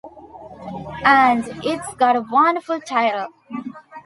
And it's got a wonderful title.